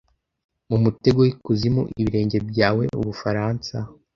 Mu mutego w'ikuzimu ibirenge byawe, Ubufaransa?